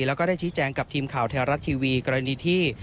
แล้วก็ได้ชี้แจงกับทีมข่าวไทยรัฐทีวีกรณีที่